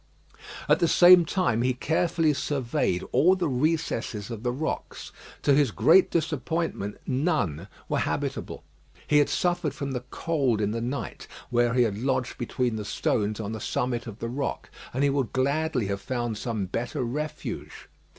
At the same time he carefully surveyed all the recesses of the rocks. To his great disappointment none were habitable. He had suffered from the cold in the night, where he lodged between the stones on the summit of the rock, and he would gladly have found some better refuge.